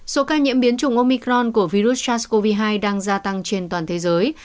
số ca nhiễm biến chủng omicron của virus sars cov hai đang gia tăng trên toàn thế giới